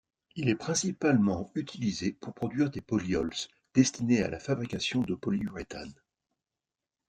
Il est principalement utilisé pour produire des polyols destinés à la fabrication de polyuréthanes.